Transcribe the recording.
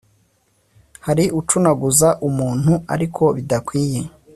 hari ucunaguza umuntu ariko bidakwiye